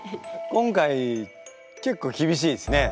今回結構厳しいですね。